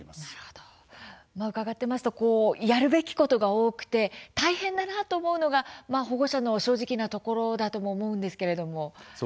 伺っていますとやるべきことが多くて大変だと思うのが保護者の正直なところだとも思うんですけれども。